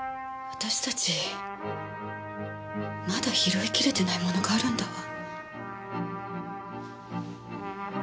私たちまだ拾いきれてないものがあるんだわ。